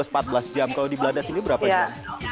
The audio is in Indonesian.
kalau di belanda sini berapa jam